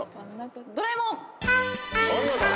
『ドラえもん』